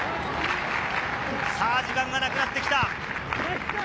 さぁ、時間がなくなってきた。